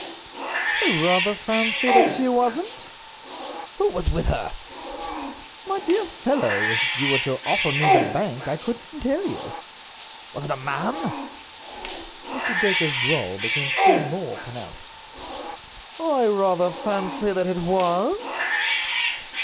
"I rather fancy that she wasn't." "Who was with her?" "My dear fellow, if you were to offer me the bank I couldn't tell you." "Was it a man?" Mr. Dacre's drawl became still more pronounced. "I rather fancy that it was."